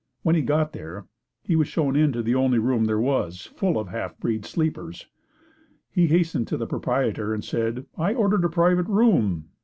When he got there, he was shown into the only room there was full of half breed sleepers. He hastened to the proprietor and said, "I ordered a private room."